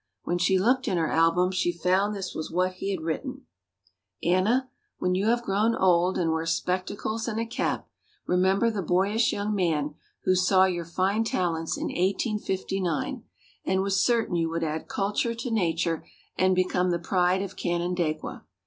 When she looked in her album, she found this was what he had written: "Anna, when you have grown old and wear spectacles and a cap, remember the boyish young man who saw your fine talents in 1859 and was certain you would add culture to nature and become the pride of Canandaigua.